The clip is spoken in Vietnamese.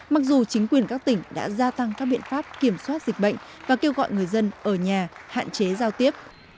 mặc dù chính quyền các tỉnh đã gia tăng các biện pháp kiểm soát dịch bệnh và kêu gọi người dân ở nhà hạn chế giao tiếp